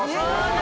何？